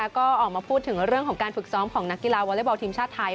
ก็ออกมาพูดถึงเรื่องของการฝึกซ้อมของนักกีฬาวอเล็กบอลทีมชาติไทย